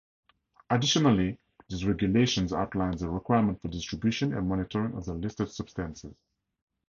Additionally, these regulations outline the requirements for distribution and monitoring of the listed substances.